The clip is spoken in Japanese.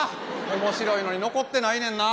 面白いのに残ってないねんな。